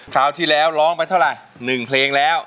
คราวที่แล้วร้องไปเท่าไหร่๑เพลงแล้ว